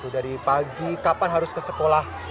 dari pagi kapan harus ke sekolah